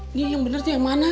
ini yang benar tuh yang mana